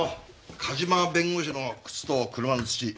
梶間弁護士の靴と車の土。